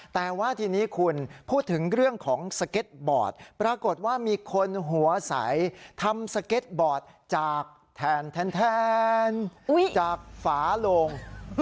แต่ว่าทีนี้คุณพูดถึงเรื่องของสเก็ตบอร์ดปรากฏว่ามีคนหัวใสทำสเก็ตบอร์ดจากแทนจากฝาโลง